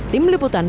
tim liputan cnnb